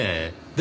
で？